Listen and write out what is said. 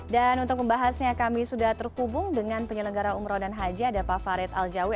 dan untuk pembahasnya kami sudah terkubung dengan penyelenggara umroh dan haji ada pak farid aljawi